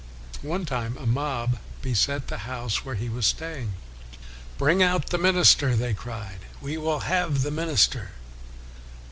One time a mob beset the house where he was staying. " Bring out the minis ter!' they cried, " we will have the min ister!